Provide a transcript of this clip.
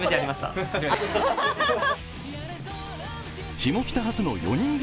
下北発の４人組